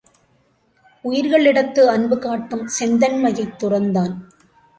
உயிர்களிடத்து அன்பு காட்டும் செந்தண்மையைத் துறந்தான்.